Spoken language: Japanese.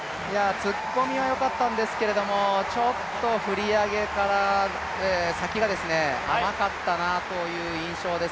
突っ込みはよかったんですけどちょっと振り上げから先が甘かったなという印象です。